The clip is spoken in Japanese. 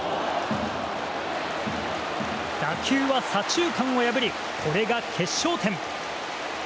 打球は左中間を破りこれが決勝点。